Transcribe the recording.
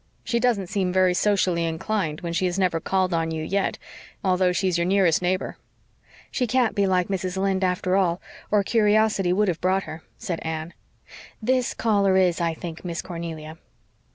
She doesn't seem very socially inclined when she has never called on you yet, although she's your nearest neighbor." "She can't be like Mrs. Lynde, after all, or curiosity would have brought her," said Anne. "This caller is, I think, Miss Cornelia."